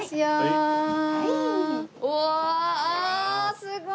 すごい！